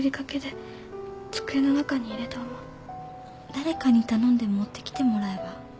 誰かに頼んで持ってきてもらえば？